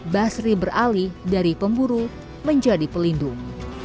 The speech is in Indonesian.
basri beralih dari pemburu menjadi pelindung